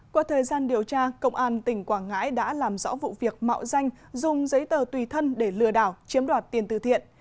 qua thời gian điều tra công an tỉnh quảng ngãi đã làm rõ vụ việc mạo danh dùng giấy tờ tùy thân để lừa đảo chiếm đoạt tiền từ thiện